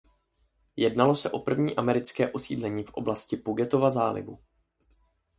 Jednalo se o první americké osídlení v oblasti Pugetova zálivu.